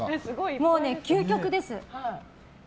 もう究極です。